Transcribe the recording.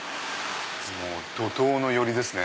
怒濤の寄りですね。